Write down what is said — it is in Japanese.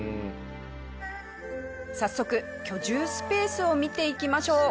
早速居住スペースを見ていきましょう。